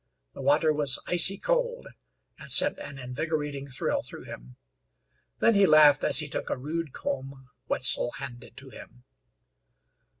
The water was icy cold, and sent an invigorating thrill through him. Then he laughed as he took a rude comb Wetzel handed to him.